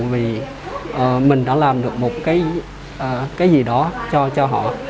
vì mình đã làm được một cái gì đó cho họ